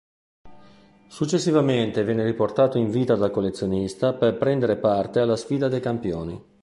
Successivamente viene riportato in vita dal Collezionista per prendere parte alla Sfida dei Campioni.